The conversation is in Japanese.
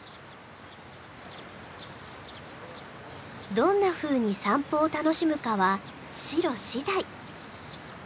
どんなふうに散歩を楽しむかはしろ次第。